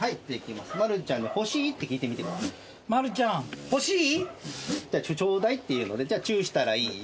まるちゃん欲しい？